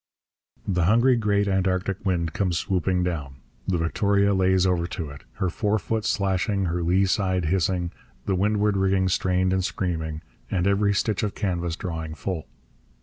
The hungry great Antarctic wind comes swooping down. The Victoria lays over to it, her forefoot slashing, her lee side hissing, the windward rigging strained and screaming, and every stitch of canvas drawing full.